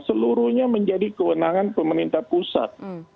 seluruhnya menjadi kewenangan pemerintah pusat